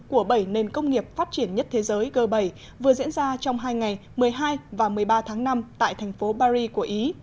của bảy nền công nghiệp phát triển nhất thế giới g bảy vừa diễn ra trong hai ngày một mươi hai và một mươi ba tháng năm tại thành phố paris của ý